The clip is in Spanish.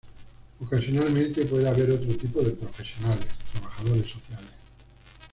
Ocasionalmente puede haber otro tipo de profesionales: Trabajadores sociales.